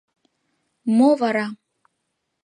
— Мо «вара»...